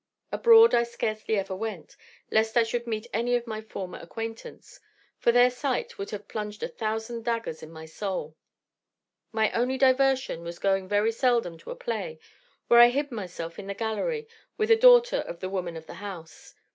Abroad I scarce ever went, lest I should meet any of my former acquaintance; for their sight would have plunged a thousand daggers in my soul. My only diversion was going very seldom to a play, where I hid myself in the gallery, with a daughter of the woman of the house.